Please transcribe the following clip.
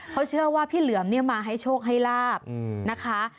เขาเชื่อว่าพี่เหลือมเนี่ยมาให้โชคให้ลาบนะคะ